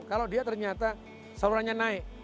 kalau dia ternyata salurannya naik